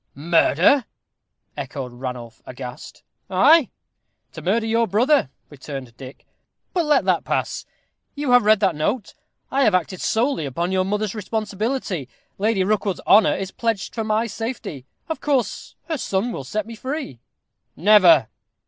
"Murder!" echoed Ranulph, aghast. "Ay, to murder your brother," returned Dick; "but let that pass. You have read that note. I have acted solely upon your mother's responsibility. Lady Rookwood's honor is pledged for my safety. Of course her son will set me free." "Never!"